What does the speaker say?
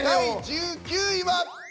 第１９位は。